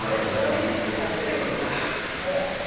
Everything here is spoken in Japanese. １人ずつ今出てくるからもう。